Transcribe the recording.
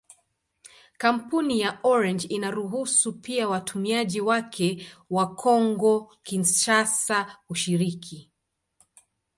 Kampuni ya Orange inaruhusu pia watumiaji wake wa Kongo-Kinshasa kushiriki.